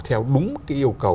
theo đúng cái yêu cầu